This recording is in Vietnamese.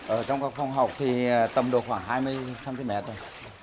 ở trong các phòng học thì tầm độ khoảng hai mươi cm thôi